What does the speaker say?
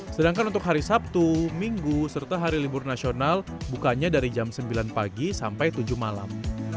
sedangkan untuk hari sabtu minggu serta hari libur nasional bukanya dari jam sembilan pagi sampai tujuh malam